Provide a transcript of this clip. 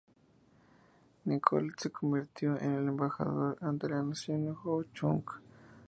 Nicolet se convirtió en el embajador ante la nación ho-chunk.